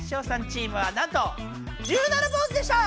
チームはなんと１７ポーズでした！